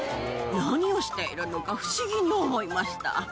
何をしているのか不思議に思いました。